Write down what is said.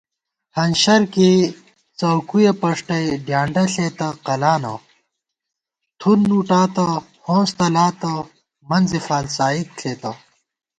ہنشر کېئی څؤکُیَہ پݭٹَئی ڈیانڈہ ݪېتہ قلانہ * تُھن وُٹاتہ ہونس تلاتہ منزےفالڅائیک ݪېتہ